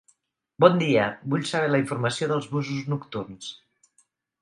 Bon dia, vull saber la informació dels busos nocturns.